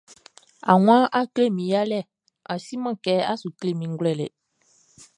A wan, a klɛ mi yalɛ, a si man kɛ, a sou klɛ mi nʼglouɛlɛ.